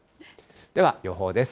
では、予報です。